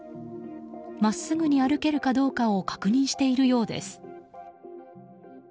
真っすぐに歩けるかどうかを確認しているようです。